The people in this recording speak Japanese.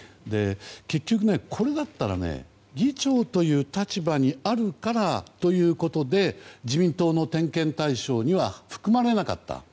結局ね、これだったら議長という立場にあるからということで自民党の点検対象には含まれなかった。